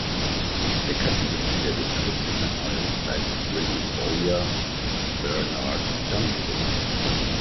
Bekannte Mitglieder des Clubs in der neueren Zeit sind William Bowyer und Bernard Dunstan.